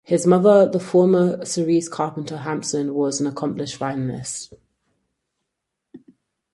His mother, the former Cerise Carpenter Hampson, was an accomplished violinist.